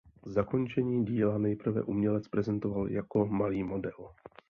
Zakončení díla nejprve umělec prezentoval jako malý model.